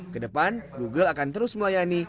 kedepan google akan terus melayani